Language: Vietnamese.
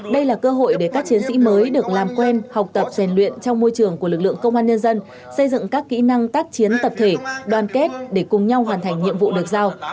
đây là cơ hội để các chiến sĩ mới được làm quen học tập rèn luyện trong môi trường của lực lượng công an nhân dân xây dựng các kỹ năng tác chiến tập thể đoàn kết để cùng nhau hoàn thành nhiệm vụ được giao